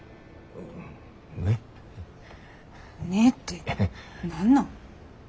「ねっ」て何なん？